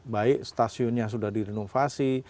baik stasiunnya sudah direnovasi